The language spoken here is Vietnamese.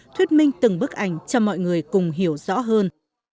thuyết minh từng bức ảnh cho mọi người cùng hiểu rõ hơn